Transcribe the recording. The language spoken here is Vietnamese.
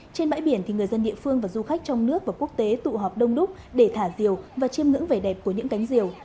trên bãi biển thì người dân địa phương và du khách trong nước và quốc tế tụ họp đông đúc để thả diều và chiêm ngưỡng vẻ đẹp của những cánh diều